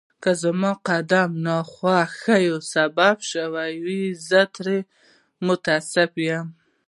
که زما اقدام د ناخوښۍ سبب شوی وي، زه ترې متأسف یم.